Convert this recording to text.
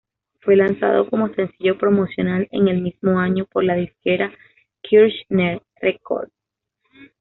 Fue lanzado como sencillo promocional en el mismo año por la disquera Kirshner Records.